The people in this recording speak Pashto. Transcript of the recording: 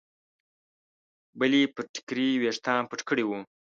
بلې پر ټیکري ویښتان پټ کړي وو.